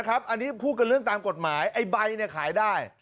อันนี้พูดกันกฎหมายไอ้ใบเนี่ยขายได้